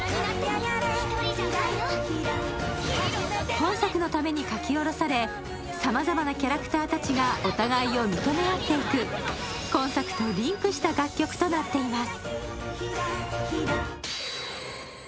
本作のために書き下ろされさまざまなキャラクターたちがお互いを認め合っていく今作とリンクした楽曲となっています。